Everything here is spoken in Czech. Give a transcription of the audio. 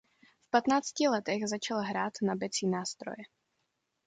V patnácti letech začal hrát na bicí nástroje.